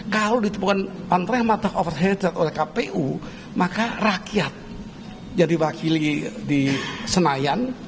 kalau ditemukan antre matah overheaded oleh kpu maka rakyat yang diwakili di senayan